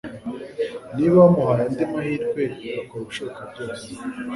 Niba wamuhaye andi mahirwe yakora ibishoboka byose